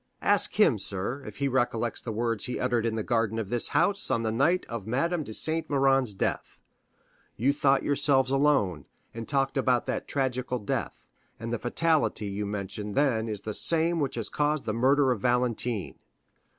Ask him, sir, if he recollects the words he uttered in the garden of this house on the night of Madame de Saint Méran's death. You thought yourselves alone, and talked about that tragical death, and the fatality you mentioned then is the same which has caused the murder of Valentine."